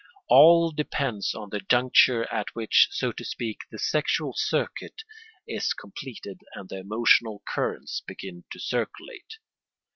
All depends on the juncture at which, so to speak, the sexual circuit is completed and the emotional currents begin to circulate.